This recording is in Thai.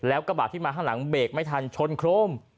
แล้วกระบาดที่มาข้างหลังเบรกไม่ทันชนโครม